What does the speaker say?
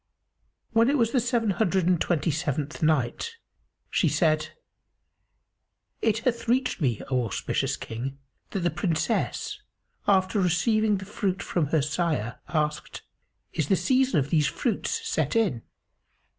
When it was the Seven Hundred and Twenty seventh Night, She said, It hath reached me, O auspicious King, that the Princess, after receiving the fruit from her sire, asked, "Is the season of these fruits set in?"